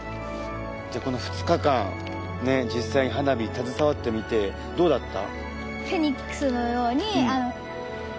じゃあこの２日間実際に花火携わってみてどうだった？